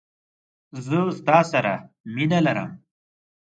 زه ستا سره مينه لرم.